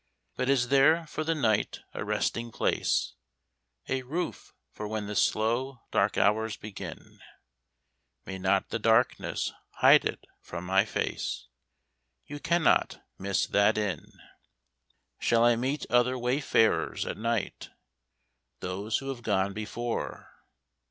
But is there for the night a resting place? A roof for when the slow dark hours begin. May not the darkness hide it from my face? You cannot miss that inn. Shall I meet other wayfarers at night? Those who have gone before.